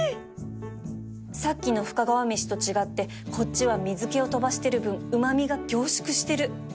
さっきの深川めしと違ってこっちは水気を飛ばしてる分うま味が凝縮してる